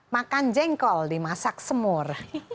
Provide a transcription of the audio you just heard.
makan jengkol dimasak semur